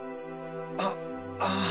あああ。